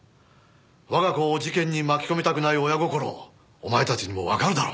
我が子を事件に巻き込みたくない親心お前たちにもわかるだろう。